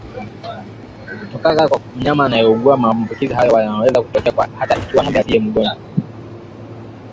kutoka kwa mnyama anayeugua Maambukizi hayo yanaweza kutokea hata ikiwa ng'ombe asiye mgonjwa